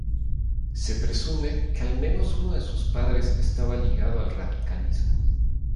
Se presume que al menos uno de sus padres estaba ligado al radicalismo.